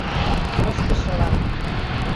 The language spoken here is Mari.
Ыштышылан